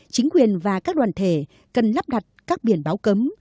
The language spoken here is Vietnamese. chính quyền và các đoàn thể cần lắp đặt các biển báo cấm